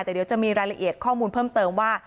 แต่เดี๋ยวจะมีรายละเอียดข้อมูลเพิ่มเติมว่า